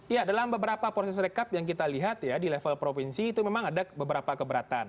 ya dalam beberapa proses rekap yang kita lihat ya di level provinsi itu memang ada beberapa keberatan